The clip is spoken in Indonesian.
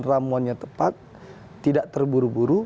ramuannya tepat tidak terburu buru